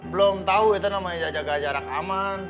belum tahu itu namanya jaga jarak aman